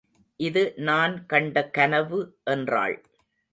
இது நான் கண்ட கனவு என்றாள்.